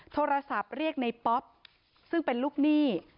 โทรศัพท์เรียกในป๊อปซึ่งเป็นลูกหนี้